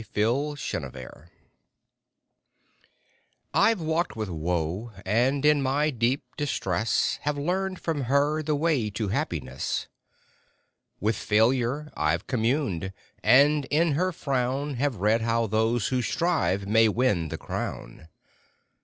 AD ASTRA I VE talked with Woe, and in my deep distress Have learned from her the way to happiness. With Failure I ve communed, and in her frown Have read how those who strive may win the crown.